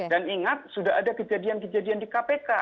dan ingat sudah ada kejadian kejadian di kpk